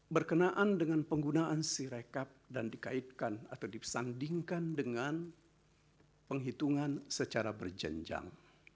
berkenaan dengan penggunaan sirekap dan dikaitkan atau disandingkan dengan penghitungan secara berjenjang